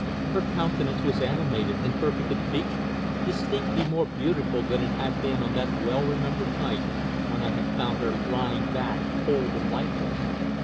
Her countenance was animated and perfect in feature, distinctly more beautiful than it had been on that well remembered night when I had found her lying back cold and lifeless.